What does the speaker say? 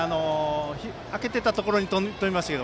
空けていたところに跳びました。